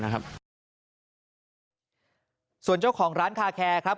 มีปัญหาเมื่อก่อนมั้ยใช่ครับ